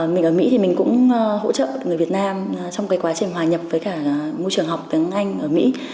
mình ở mỹ thì mình cũng hỗ trợ người việt nam trong cái quá trình hòa nhập với cả môi trường học tiếng anh ở mỹ